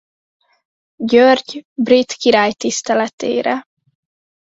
György brit király tiszteletére.